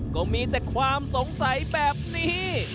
ก็มีแต่ความสงสัยแบบนี้